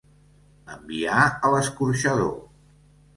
Enviar a l'escorxador.